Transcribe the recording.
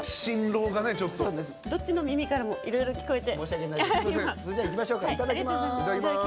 どっちの耳からもいろいろ聞こえて。